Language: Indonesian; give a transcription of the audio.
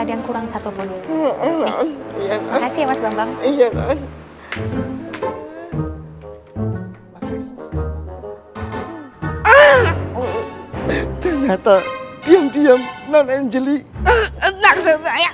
ada yang kurang satu pun terima kasih mas bambang iya ternyata diam diam non angelic